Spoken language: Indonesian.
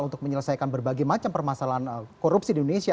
untuk menyelesaikan berbagai macam permasalahan korupsi di indonesia